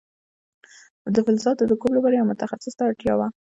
د فلزاتو د کوب لپاره یو متخصص ته اړتیا وه.